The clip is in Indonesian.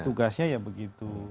tugasnya ya begitu